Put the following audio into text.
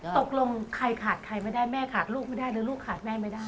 ตกลงใครขาดใครไม่ได้แม่ขาดลูกไม่ได้หรือลูกขาดแม่ไม่ได้